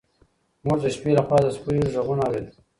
موږ د شپې لخوا د سپیو غږونه اورېدل.